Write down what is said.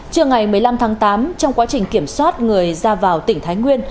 trưa ngày một mươi năm tháng tám trong quá trình kiểm soát người ra vào tỉnh thái nguyên